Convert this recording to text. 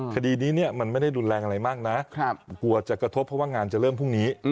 คดีนี้มันไม่ได้รุนแรงอะไรมากนะกลัวจะกระทบเพราะว่างานจะเริ่มพรุ่งนี้